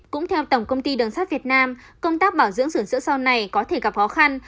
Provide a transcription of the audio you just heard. cũng theo tổng công ty đường sát việt nam công tác bảo dưỡng sửa chữa sau này có thể gặp khó khăn